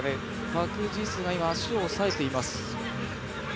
パク・ジスが足を押さえていました。